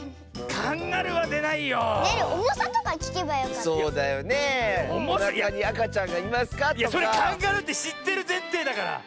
カンガルーってしってるぜんていだから！